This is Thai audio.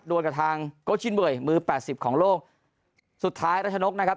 กับทางโกชินเวยมือแปดสิบของโลกสุดท้ายรัชนกนะครับ